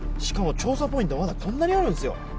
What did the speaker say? しかも調査ポイントまだこんなにあるんですよ